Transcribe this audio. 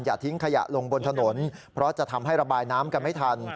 ทิ้งขยะลงบนถนนเพราะจะทำให้ระบายน้ำกันไม่ทัน